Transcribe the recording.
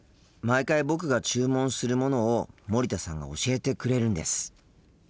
毎回僕が注文するものを森田さんが教えてくれるんです。